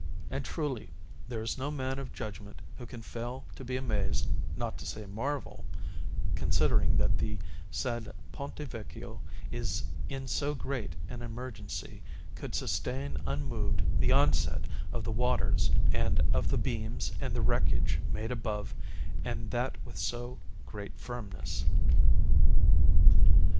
And truly there is no man of judgment who can fail to be amazed, not to say marvel, considering that the said Ponte Vecchio in so great an emergency could sustain unmoved the onset of the waters and of the beams and the wreckage made above, and that with so great firmness.